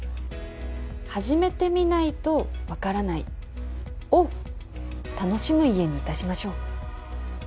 始めてみないとわからないを楽しむ家にいたしましょう。